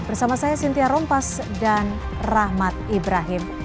bersama saya cynthia rompas dan rahmat ibrahim